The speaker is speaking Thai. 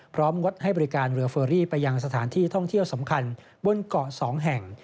งดให้บริการเรือเฟอรี่ไปยังสถานที่ท่องเที่ยวสำคัญบนเกาะ๒แห่ง